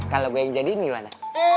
kalau gue yang jadiin gimana